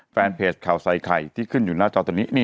แฟนเพจข่าวใส่ไข่ที่ขึ้นอยู่หน้าจอตอนนี้